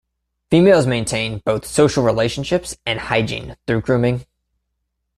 Females maintain both social relationships and hygiene through grooming.